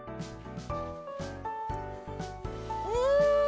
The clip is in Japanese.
うん！